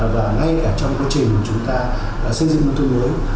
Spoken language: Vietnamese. và ngay trong quá trình chúng ta xây dựng nông thôn mới